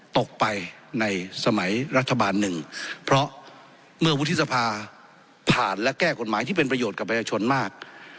ตกไปในสมัยรัฐบาลหนึ่งเพราะเมื่อวุฒิสภาผ่านและแก้กฎหมายที่เป็นประโยชน์กับประชาชนมาก